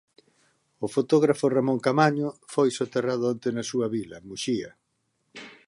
O fotógrafo Ramón Caamaño foi soterrado onte na súa vila, Muxía